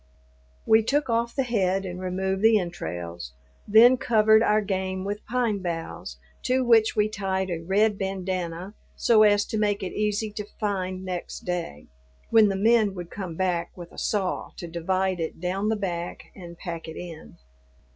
We took off the head and removed the entrails, then covered our game with pine boughs, to which we tied a red bandanna so as to make it easy to find next day, when the men would come back with a saw to divide it down the back and pack it in.